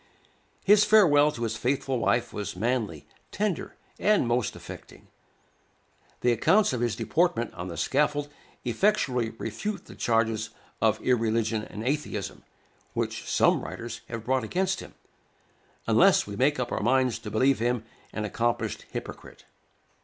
His farewell to his faithful wife was manly, tender, and most affecting. The accounts of his deportment on the scaffold effectually refute the charges of irreligion and atheism, which some writers have brought against him, unless we make up our minds to believe him an accomplished hypocrite.